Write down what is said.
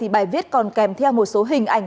bài viết còn kèm theo một số hình ảnh